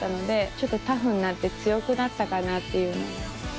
ちょっとタフになって強くなったかなっていう。